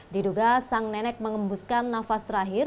diduga sang nenek mengembuskan nafas terakhir